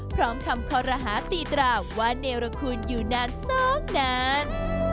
พร้อมคำคอรหาตีตราว่าเนรคุณอยู่นานสองนาน